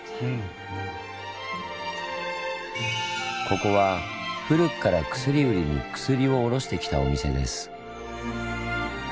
ここは古くから薬売りに薬を卸してきたお店です。